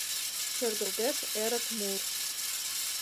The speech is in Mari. Шергылтеш эрык мур.